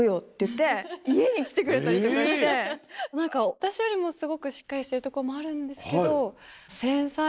私よりもすごくしっかりしてるところもあるんですけど。